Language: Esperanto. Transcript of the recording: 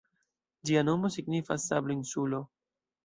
Ĝia nomo signifas "Sablo-insulo".